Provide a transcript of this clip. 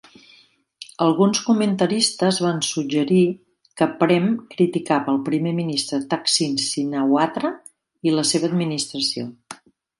Alguns comentaristes van suggerir que Prem criticava el primer ministre Thaksin Shinawatra i la seva administració.